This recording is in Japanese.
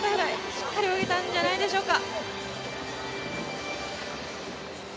しっかり泳げたんじゃないでしょうか。